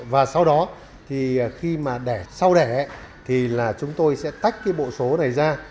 và sau đó khi mà đẻ sau đẻ thì là chúng tôi sẽ tách cái bộ số này ra